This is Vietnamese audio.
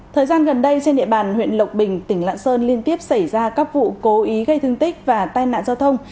thời gian gần đây trên địa bàn huyện lộc bình tỉnh lạng sơn liên tiếp xảy ra các vụ cố ý gây thương tích và tai nạn giao thông